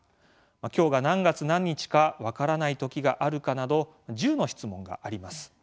きょうが何月何日かわからないときがあるかなど１０の質問があります。